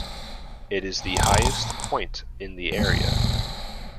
It is the highest point in the area.